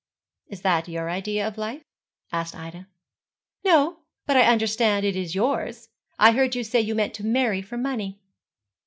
'Is that your idea of life?' asked Ida. 'No; but I understand it is yours. I heard you say you meant to marry for money.'